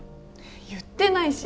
言ってないし。